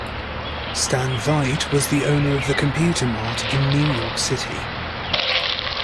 Stan Veit was the owner of The Computer Mart in New York City.